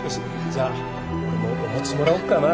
じゃあ俺もお餅もらおっかな。